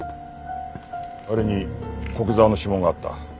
あれに古久沢の指紋があった。